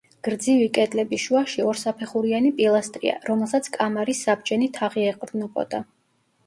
გრძივი კედლების შუაში ორსაფეხურიანი პილასტრია, რომელსაც კამარის საბჯენი თაღი ეყრდნობოდა.